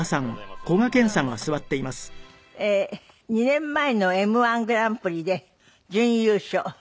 ２年前のＭ−１グランプリで準優勝。